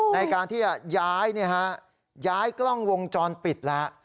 ในการที่จะย้ายกล้องวงจรปิดแล้ว